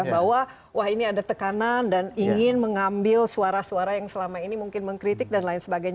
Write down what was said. bahwa wah ini ada tekanan dan ingin mengambil suara suara yang selama ini mungkin mengkritik dan lain sebagainya